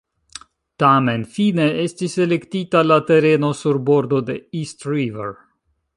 Tamen fine estis elektita la tereno sur bordo de East River.